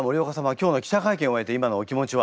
今日の記者会見を終えて今のお気持ちは？